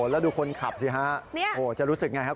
แล้วดูคนขับสิฮะโหจะรู้สึกไงครับ